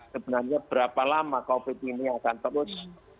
sebenarnya berapa lama covid ini akan terus